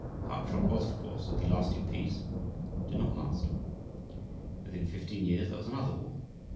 The upshot was, of course, that the "lasting peace" did not last. Within fifteen years there was another war.